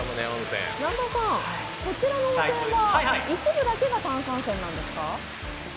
南波さん、こちらの温泉は一部だけが炭酸泉なんですか？